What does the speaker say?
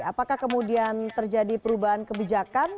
apakah kemudian terjadi perubahan kebijakan